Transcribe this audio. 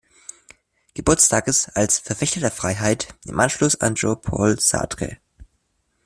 Geburtstages als „Verfechter der Freiheit“ im Anschluss an Jean-Paul Sartre.